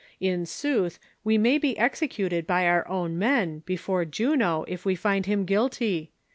In sooth, we may be executed by our own men, before Juno, if we find him guilty.